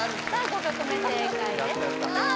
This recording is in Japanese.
５曲目正解ですさあ